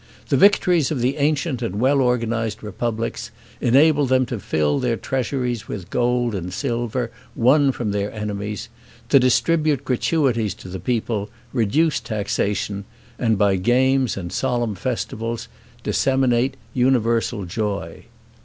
The victories of the ancient and well organized republics, enabled them to fill their treasuries with gold and silver won from their enemies, to distribute gratuities to the people, reduce taxation, and by games and solemn festivals, disseminate universal joy.